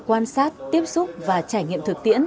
quan sát tiếp xúc và trải nghiệm thực tiễn